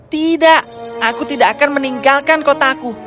tidak aku tidak akan meninggalkan kotaku